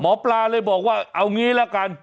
หมอปลาเลยบอกว่าเอางี้ละกัน